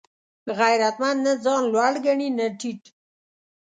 غیرتمند نه ځان لوړ ګڼي نه ټیټ